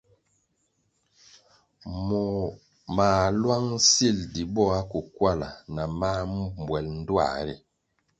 Moh mā lwang sil di bo akukwala na mā mbwel ndtuā ri.